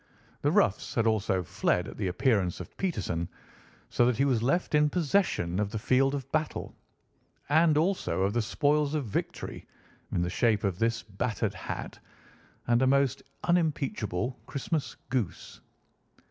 The roughs had also fled at the appearance of Peterson, so that he was left in possession of the field of battle, and also of the spoils of victory in the shape of this battered hat and a most unimpeachable Christmas goose."